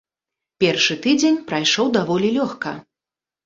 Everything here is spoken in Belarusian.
Першы тыдзень прайшоў даволі лёгка.